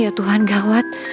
ya tuhan gawat